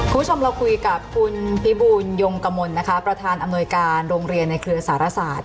คุณผู้ชมเราคุยกับคุณพิบูลยงกมลนะคะประธานอำนวยการโรงเรียนในเครือสารศาสตร์